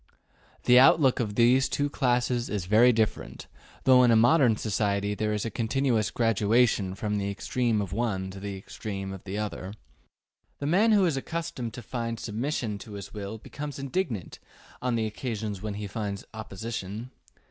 The outlook of these two classes is very different, though in a modern society there is a continuous gradation from the extreme of the one to the extreme of the other. The man who is accustomed to find submission to his will becomes indignant on the occasions when he finds opposition.